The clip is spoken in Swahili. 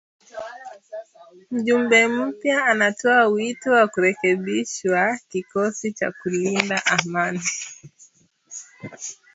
Mjumbe mpya anatoa wito wa kurekebishwa kikosi cha kulinda amani